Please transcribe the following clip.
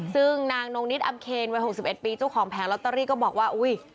ซึ่งนางนงนิดอำเคนวัย๖๑ปีเจ้าของแผงลอตเตอรี่ก็บอกว่าอุ้ย